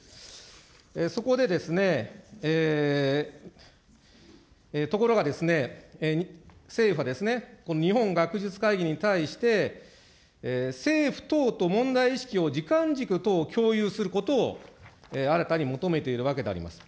そこでですね、ところがですね、政府はですね、日本学術会議に対して、政府等と問題意識を時間軸等を共有することを新たに求めているわけであります。